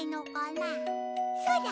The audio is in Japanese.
そうだ。